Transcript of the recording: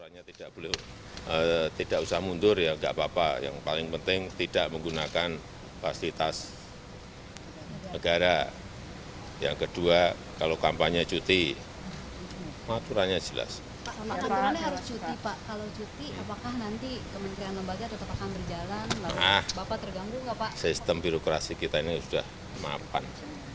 nah sistem birokrasi kita ini sudah mampan